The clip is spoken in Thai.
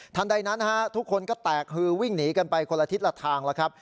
ใดนั้นทุกคนก็แตกฮือวิ่งหนีกันไปคนละทิศละทางแล้วครับ